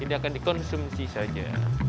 ini akan dikonsumsi saja